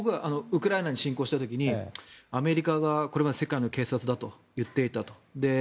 ウクライナに侵攻した時にアメリカがこれまで世界の警察だと言っていたと。